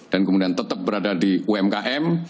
dan kemudian tetap berada di umkm